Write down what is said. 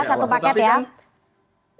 satu paket ya